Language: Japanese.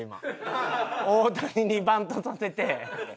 大谷にバントさせて。